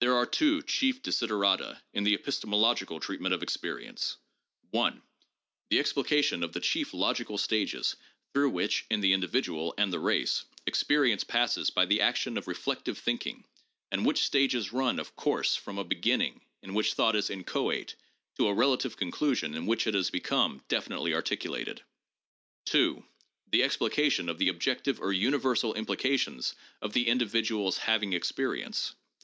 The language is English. There are two chief desiderata in the epistemological treatment of experience: (1) the explication of the chief logical stages, through which, in the individual and the race, experience passes by the action of reflective thinking, and which stages run, of course, from a beginning in which thought is inchoate to a relative conclusion in which it has become definitely articulated; (2) the explication of the objective or uni versal implications of the individuals having experience.